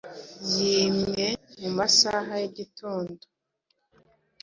yinywe mu masaha y’igitondo,